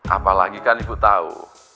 apalagi kan ibu tau